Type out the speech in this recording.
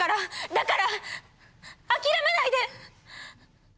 だから諦めないで！